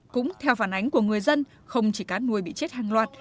cũng theo phản ánh của người dân không chỉ cá nuôi bị chết hàng loạt